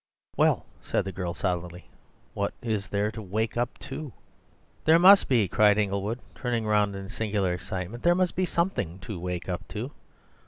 "Well," said the girl solidly, "what is there to wake up to?" "There must be!" cried Inglewood, turning round in a singular excitement—"there must be something to wake up to!